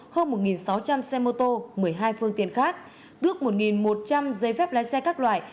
hơn một sáu trăm linh xe mô tô một mươi hai phương tiền khác tước một một trăm linh dây phép lái xe các loại